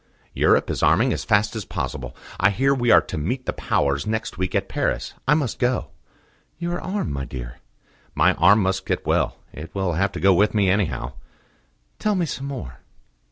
"Europe is arming as fast as possible. I hear we are to meet the Powers next week at Paris. I must go." "Your arm, my dear?" "My arm must get well. It will have to go with me, anyhow." "Tell me some more."